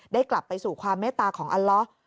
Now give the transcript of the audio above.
กลับไปสู่ความเมตตาของอัลล้อ